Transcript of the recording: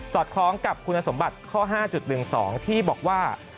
อดคล้องกับคุณสมบัติข้อ๕๑๒ที่บอกว่า